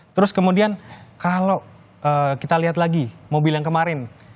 terus kemudian kalau kita lihat lagi mobil yang kemarin